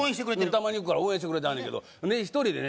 たまに行くから応援してくれてはるねんけど１人でね